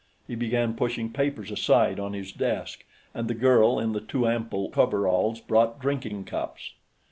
He began pushing papers aside on his desk, and the girl in the too ample coveralls brought drinking cups.